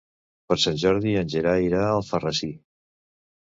Per Sant Jordi en Gerai irà a Alfarrasí.